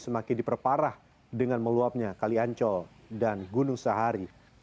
semakin diperparah dengan meluapnya kaliancol dan gunung sahari